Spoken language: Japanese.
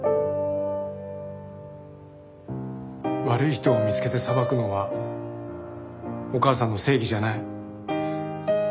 悪い人を見つけて裁くのはお母さんの正義じゃない。